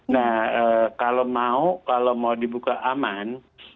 nah kalau mau kalau mau dibuka aman